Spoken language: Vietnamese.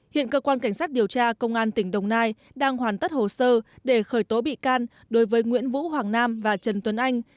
hiện cơ quan cảnh sát điều tra công an tỉnh đồng nai đang hoàn tất hồ sơ để khởi tố bị can đối với nguyễn vũ hoàng nam và trần tuấn anh